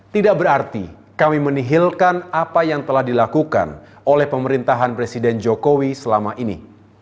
tidak berarti kami menihilkan apa yang telah dilakukan oleh pemerintahan presiden jokowi selama ini